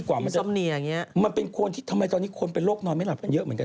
เอาโทรศัพท์มาดูเดี๋ยวนี้ว่าส่งไว้เองหรือเปล่า